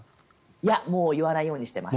いやもう言わないようにしてます。